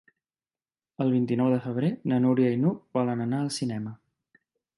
El vint-i-nou de febrer na Núria i n'Hug volen anar al cinema.